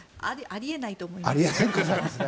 あり得ないと思います。